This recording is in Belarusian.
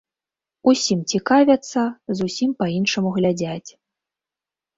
Усім цікавяцца, зусім па-іншаму глядзяць.